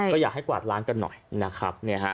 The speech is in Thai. ก็อยากให้กวาดล้างกันหน่อยนะครับ